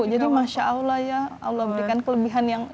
jadi masya allah ya allah berikan kelebihan yang